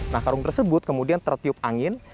nah karung tersebut kemudian tertiup angin